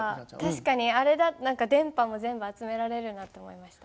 確かに電波も全部集められるなと思いました。